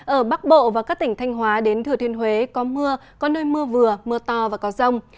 ở bắc bộ và các tỉnh thanh hóa đến thừa thiên huế có mưa có nơi mưa vừa mưa to và có rông